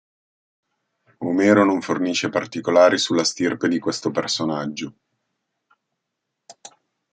Omero non fornisce particolari sulla stirpe di questo personaggio.